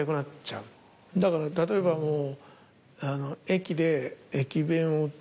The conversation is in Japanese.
だから例えばもう。